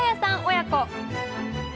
親子